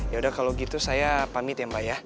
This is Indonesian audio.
yaudah kalo gitu saya pamit ya mbak ya